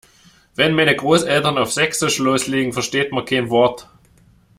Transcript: Wenn meine Großeltern auf sächsisch loslegen, versteht man kein Wort.